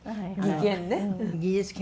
技研ね。